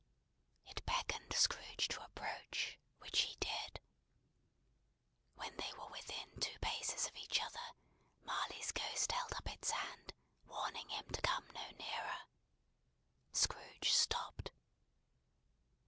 It beckoned Scrooge to approach, which he did. When they were within two paces of each other, Marley's Ghost held up its hand, warning him to come no nearer. Scrooge stopped.